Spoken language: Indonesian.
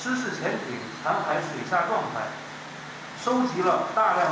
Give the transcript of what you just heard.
sehingga keberadaan kri riga empat ratus dua ini dilakukan sepuluh kali